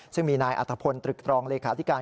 ซึ่งมีนายอัตภพลตรึกตรองเลขาธิการ